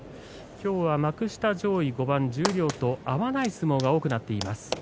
今日は幕下上位５番十両と合わない相撲が多くなっています。